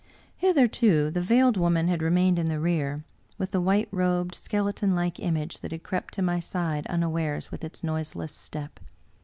Hitherto the Veiled Woman had remained in the rear, with the white robed, skeletonlike image that had crept to my side unawares with its noiseless step.